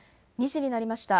２時になりました。